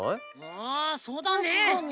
あそうだねえ。たしかに。